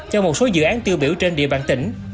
cho một số dự án tiêu biểu trên địa bàn tỉnh